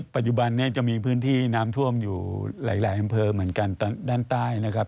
ปัจจุบันนี้จะมีพื้นที่น้ำท่วมอยู่หลายอำเภอเหมือนกันด้านใต้นะครับ